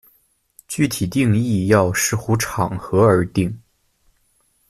具体定义要视乎场合而定。